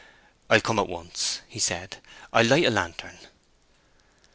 "I'll come at once," he said. "I'll light a lantern."